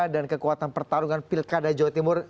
dan kekuatan pertarungan pilkada jawa timur